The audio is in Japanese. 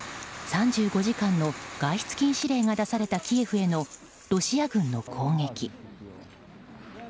３５時間の外出禁止令が出されたキエフへのロシア軍の攻撃。